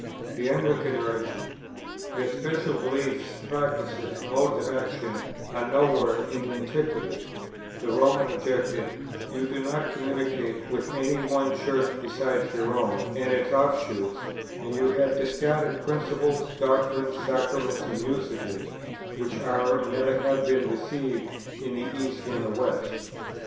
The Anglican urged "Your special beliefs, practices, modes of action, are nowhere in Antiquity;" the Roman objected: "You do not communicate with any one Church besides your own and its offshoots, and you have discarded principles, doctrines, sacraments, and usages, which are and ever have been received in the East and the West."